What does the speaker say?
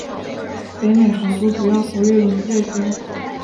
北美豪猪主要活跃于夜间。